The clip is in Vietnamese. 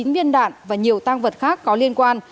một mươi chín biên đạn và nhiều tang vật khác có liên quan